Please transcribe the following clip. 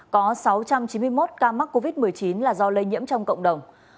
có sáu trăm chín mươi một ca mắc covid một mươi chín là do lây nhiễm trong cộng đồng